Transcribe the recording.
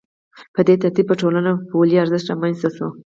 په دې ترتیب په ټولنه کې پولي ارزښت رامنځته شو